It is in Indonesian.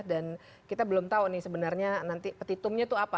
dan kita belum tahu nih sebenarnya nanti petitumnya itu apa